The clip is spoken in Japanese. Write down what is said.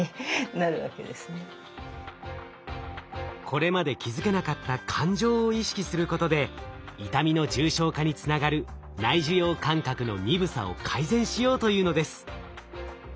これまで気づけなかった感情を意識することで痛みの重症化につながる内受容感覚の鈍さを改善しようというのです。